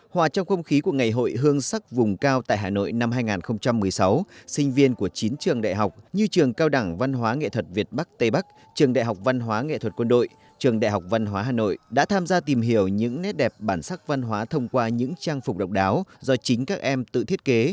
hòa trong không khí của ngày hội hương sắc vùng cao tại hà nội năm hai nghìn một mươi sáu sinh viên của chín trường đại học như trường cao đẳng văn hóa nghệ thuật việt bắc tây bắc trường đại học văn hóa nghệ thuật quân đội trường đại học văn hóa hà nội đã tham gia tìm hiểu những nét đẹp bản sắc văn hóa thông qua những trang phục độc đáo do chính các em tự thiết kế